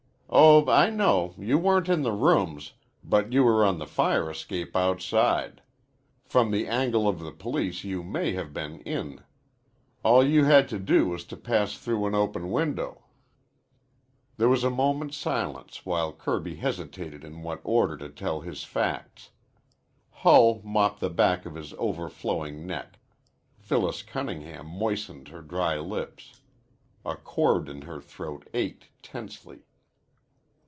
"Oh, I know. You weren't in the rooms, but you were on the fire escape outside. From the angle of the police you may have been in. All you had to do was to pass through an open window." There was a moment's silence, while Kirby hesitated in what order to tell his facts. Hull mopped the back of his overflowing neck. Phyllis Cunningham moistened her dry lips. A chord in her throat ached tensely.